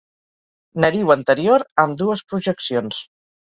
Nariu anterior amb dues projeccions.